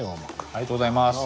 ありがとうございます。